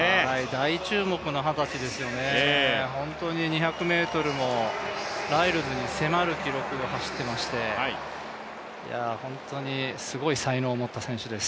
大注目の二十歳ですよね、本当に２００ｍもライルズに迫る記録で走っていまして、本当にすごい才能を持った選手です。